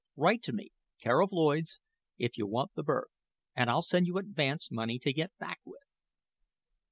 Write to me, care o' Lloyds, if you want the berth, and I'll send you advance money to get back with."